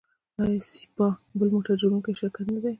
آیا سایپا بل موټر جوړوونکی شرکت نه دی؟